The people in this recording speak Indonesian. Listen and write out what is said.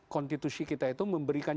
konstitusi kita itu memberikan